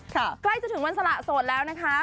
ใกล้จะถึงวันสละโสดแล้วนะคะ